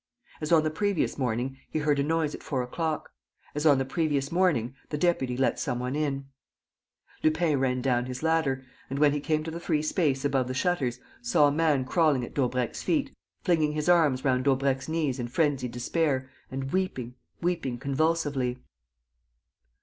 As on the previous morning, he heard a noise at four o'clock. As on the previous morning, the deputy let some one in. Lupin ran down his ladder and, when he came to the free space above the shutters, saw a man crawling at Daubrecq's feet, flinging his arms round Daubrecq's knees in frenzied despair and weeping, weeping convulsively.